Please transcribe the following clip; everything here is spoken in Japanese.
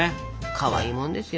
かわいいもんですよ。